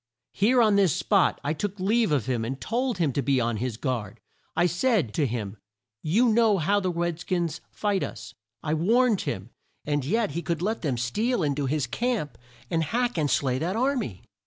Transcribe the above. Here on this spot I took leave of him and told him to be on his guard! I said to him 'you know how the red skins fight us!' I warned him and yet he could let them steal in to his camp and hack and slay that ar my!"